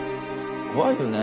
怖いよね。